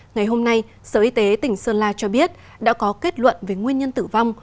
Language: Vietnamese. ngày hôm nay sở y tế tỉnh sơn la cho biết đã có kết luận về nguyên nhân tử vong